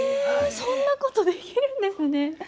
そんなことできるんですね。